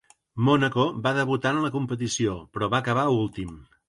Mònaco va debutar en la competició, però va acabar últim.